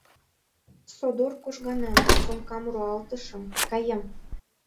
Содор кожганен, сумкам руалтышым — каем!